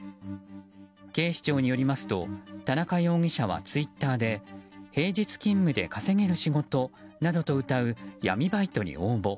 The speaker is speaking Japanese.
警視庁によりますと田中容疑者はツイッターで平日勤務で稼げる仕事などとうたう闇バイトに応募。